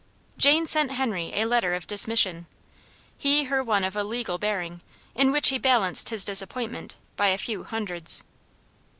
Jane sent Henry a letter of dismission; he her one of a legal bearing, in which he balanced his disappointment by a few hundreds.